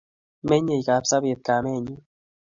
Menyei Kapsabet kamennyu